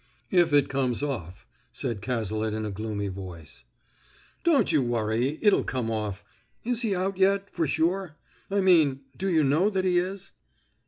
"If it comes off," said Cazalet in a gloomy voice. "Don't you worry. It'll come off. Is he out yet, for sure? I mean, do you know that he is?"